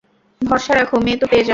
ভরসা রাখো, মেয়ে তো পেয়ে যাবা।